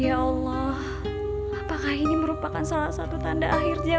ya allah apakah ini merupakan salah satu tanda akhirnya